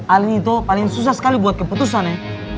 alih itu paling susah sekali buat keputusan ya